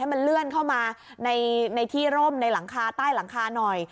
มันเลื่อนเข้ามาในที่ร่มในหลังคาใต้หลังคาหน่อย